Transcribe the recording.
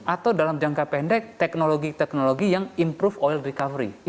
atau dalam jangka pendek teknologi teknologi yang improve oil recovery